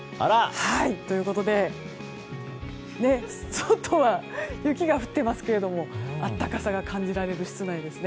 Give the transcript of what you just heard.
ということで外は雪が降っていますけど暖かさが感じられる室内ですね。